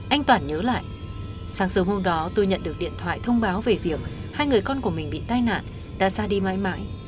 anh toản nhớ lại sáng sớm hôm đó tôi nhận được điện thoại thông báo về việc hai người con của mình bị tai nạn đã ra đi mãi mãi